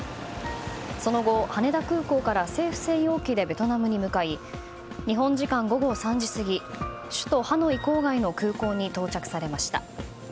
その後、羽田空港から政府専用機でベトナムに向かい日本時間午後３時過ぎ首都ハノイ郊外の空港に到着されました。